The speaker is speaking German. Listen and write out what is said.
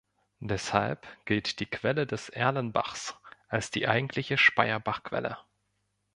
Deshalb gilt die Quelle des Erlenbachs als die eigentliche Speyerbach-Quelle.